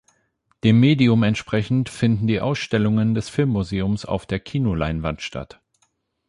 Dem Medium entsprechend, finden die Ausstellungen des Filmmuseums auf der Kinoleinwand statt.